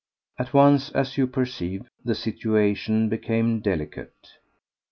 At once, as you perceive, the situation became delicate.